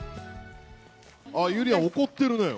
ゆりやん、怒ってるのよ。